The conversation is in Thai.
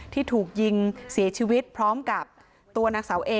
ที่ถูกยิงเสียชีวิตพร้อมกับตัวนางสาวเอ